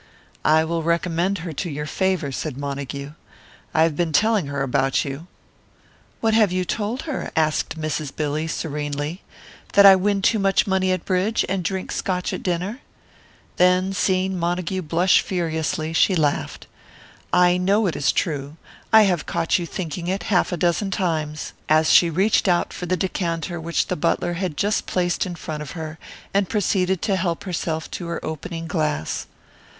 "I will recommend her to your favour," said Montague. "I have been telling her about you." "What have you told her?" asked Mrs. Billy, serenely, "that I win too much money at bridge, and drink Scotch at dinner?" Then, seeing Montague blush furiously, she laughed. "I know it is true. I have caught you thinking it half a dozen times." And she reached out for the decanter which the butler had just placed in front of her, and proceeded to help herself to her opening glass.